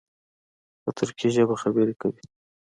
په ترکي ژبه خبرې کوي.